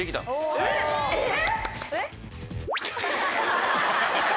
えっ！